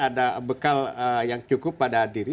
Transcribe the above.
ada bekal yang cukup pada diri